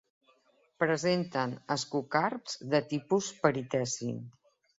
Presenten ascocarps de tipus periteci.